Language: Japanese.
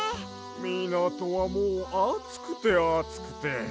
みなとはもうあつくてあつくて。